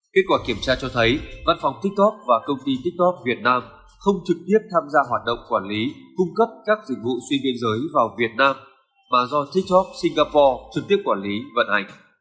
kết quả kiểm tra cho thấy văn phòng tiktok và công ty tiktok việt nam không trực tiếp tham gia hoạt động quản lý cung cấp các dịch vụ suy biên giới vào việt nam mà do tiktok singapore trực tiếp quản lý vận hành